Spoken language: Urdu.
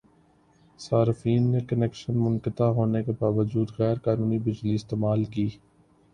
صارفین نے کنکشن منقطع ہونے کے باوجودغیرقانونی بجلی استعمال کی